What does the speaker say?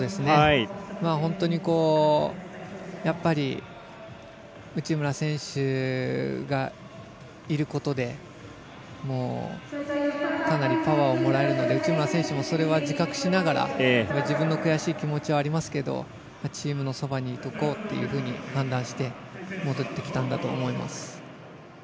本当に内村選手がいることでかなりパワーをもらえるので内村選手もそれは自覚しながら自分の悔しい気持ちはありますけどチームのそばにいこうと判断して戻ってきたんだと思います。